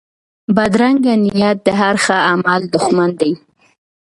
بدرنګه نیت د هر ښه عمل دشمن دی